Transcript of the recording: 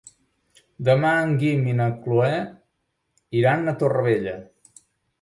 Demà en Guim i na Cloè iran a Torrevella.